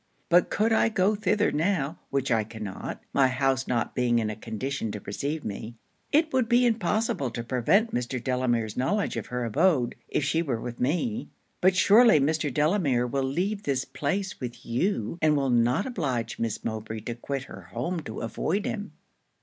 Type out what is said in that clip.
But could I go thither now, which I cannot, (my house not being in a condition to receive me,) it would be impossible to prevent Mr. Delamere's knowledge of her abode, if she was with me. But surely Mr. Delamere will leave this place with you, and will not oblige Miss Mowbray to quit her home to avoid him.'